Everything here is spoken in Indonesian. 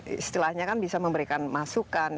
istilahnya kan bisa memberikan masukan